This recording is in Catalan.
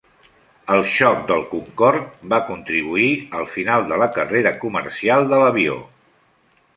El xoc del Concorde va contribuir al final de la carrera comercial de l'avió.